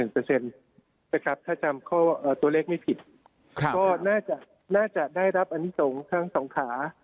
แต่ครับถ้าจำข้อตัวเลขไม่ผิดก็น่าจะน่าจะได้รับอนิสงส์ทั้งสองขา